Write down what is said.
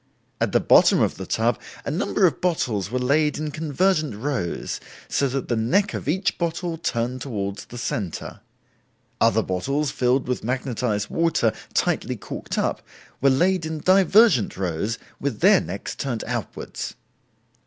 At the bottom of the tub a number of bottles were laid in convergent rows, so that the neck of each bottle turned towards the centre. Other bottles filled with magnetized water tightly corked up were laid in divergent rows with their necks turned outwards.